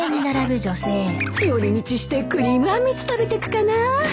寄り道してクリームあんみつ食べてくかなぁ